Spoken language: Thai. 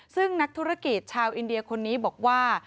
ซึ่งนักธุรกิจชาวอินเดียคนนี้บอกว่า